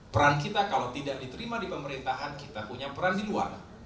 peran kita kalau tidak diterima di pemerintahan kita punya peran di luar